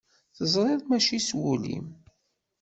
Ẓriɣ mačči s wul-im.